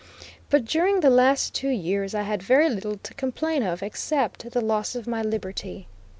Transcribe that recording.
But during the last two years I had very little to complain of except the loss of my liberty.